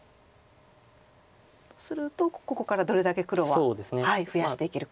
するとここからどれだけ黒は増やしていけるか。